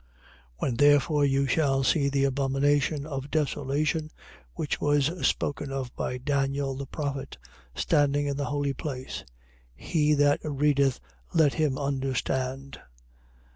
24:15. When therefore you shall see the abomination of desolation, which was spoken of by Daniel the prophet, standing in the holy place: he that readeth let him understand.